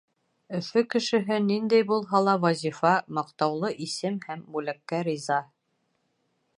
Өфө кешеһе ниндәй булһа ла вазифа, маҡтаулы исем һәм бүләккә риза.